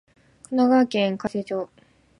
神奈川県開成町